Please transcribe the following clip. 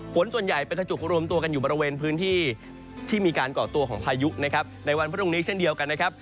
ฝนส่วนใหญ่เป็นกระจุกรวมตัวกันอยู่บริเวณพื้นที่ที่มีการก่อตัวของพายุนะครับในวันพรุ่งนี้เช่นเดียวกันนะครับ